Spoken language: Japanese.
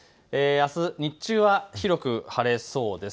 あす日中は広く晴れそうです。